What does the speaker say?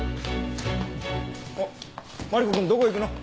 あっマリコ君どこ行くの？